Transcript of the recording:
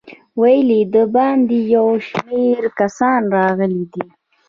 ویل یې د باندې یو شمېر کسان راغلي دي.